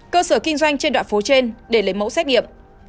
cơ sở kinh doanh trên đoạn phố trên để lấy mẫu xét nghiệm